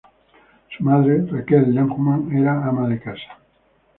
Su madre, Rachel Lehmann, era ama de casa.